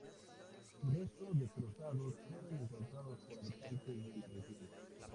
Sus restos destrozados fueron encontrados por habitantes de la región.